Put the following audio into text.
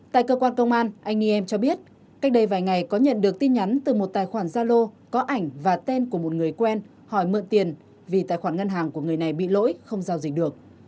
tại cơ quan công an anh y em cho biết cách đây vài ngày có nhận được tin nhắn từ một tài khoản gia lô có ảnh và tên của một người quen hỏi mượn tiền vì tài khoản ngân hàng của người này bị lỗi không giao dịch được